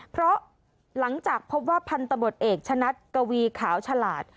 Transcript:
เพราะหลังจากพบว่าพันธบทเอกชะนัดกวีขาวฉลาด